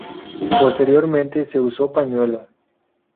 Posteriormente se usó pañuelo.